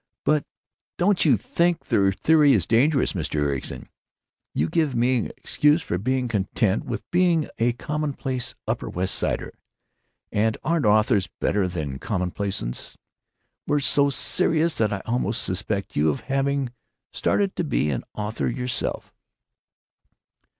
But don't you think your theory is dangerous, Mr. Ericson? You give me an excuse for being content with being a commonplace Upper West Sider. And aren't authors better than commonplaceness? You're so serious that I almost suspect you of having started to be an author yourself."